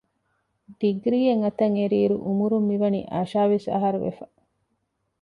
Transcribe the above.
ޑިގްރީއެއް އަތަށްއެރި އިރު އުމުރުން މިވަނީ އަށާވީސް އަހަރު ވެފަ